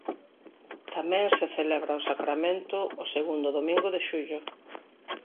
Tamén se celebra O Sacramento o segundo domingo de xullo.